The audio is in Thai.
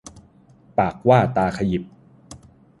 ปากว่าตาขยิบ